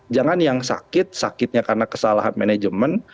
jangan yang sakit sakitnya karena kesalahan manajemen